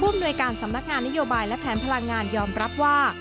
อำนวยการสำนักงานนโยบายและแผนพลังงานยอมรับว่า